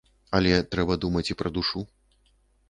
Але трэба думаць і пра душу.